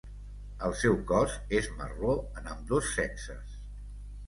El seu cos és marró en ambdós sexes.